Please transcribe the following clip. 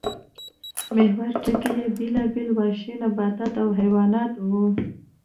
محوري ټکی یې بېلابېل وحشي نباتات او حیوانات وو